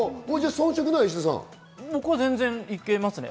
僕は全然いけます。